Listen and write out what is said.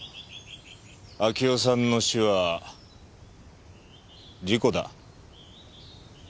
明代さんの死は事故だ。